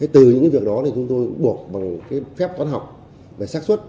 từ những việc đó chúng tôi cũng buộc bằng phép toán học và sát xuất